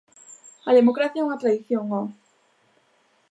A democracia é unha tradición, ho.